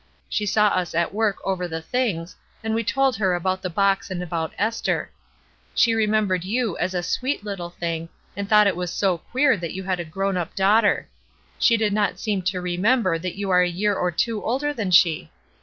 She saw us at work over the things, and we told her about the box and about Esther. She remembered you as a 'sweet little thing' and thought it was so queer that you had a grown up daughter. She did not seem to remember that you are a year or two older than she